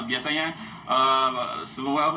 apakah kerusakan yang terjadi dalam pesawat